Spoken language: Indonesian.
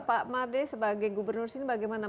pak made sebagai gubernur sini bagaimana